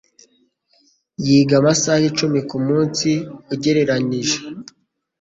Yiga amasaha icumi kumunsi ugereranije.